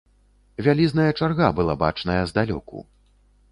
Вялізная чарга была бачная здалёку.